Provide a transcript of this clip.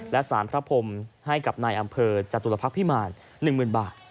และสารพระพรมให้กับนายอำเภอจตุลพักษ์พิมาร๑๐๐๐บาท